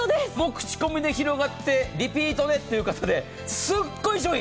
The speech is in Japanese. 口コミで広がってリピートでということですごい商品。